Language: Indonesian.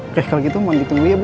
oke kalau gitu mau ditunggu ya bu